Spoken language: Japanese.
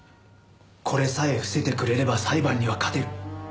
これさえ伏せてくれれば裁判には勝てる。